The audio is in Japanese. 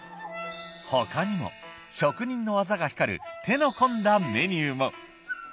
他にも職人の技が光る手の込んだメニューも。